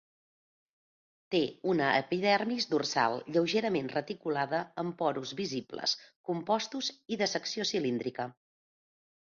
Té una epidermis dorsal lleugerament reticulada amb porus visibles, compostos i de secció cilíndrica.